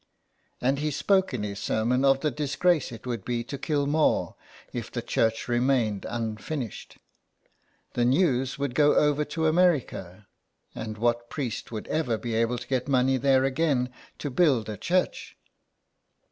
And he spoke in his sermon of the disgrace it would be to Kilmore if the church remained unfinished. The news would go over to America, 96 SOME PARISHIONERS. and what priest would be ever able to get money there again to build a church